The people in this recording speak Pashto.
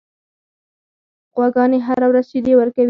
غواګانې هره ورځ شیدې ورکوي.